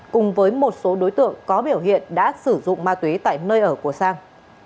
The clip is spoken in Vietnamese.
cùng với một số đối tượng có biểu hiện đã sử dụng ma túy tại nơi ở của sang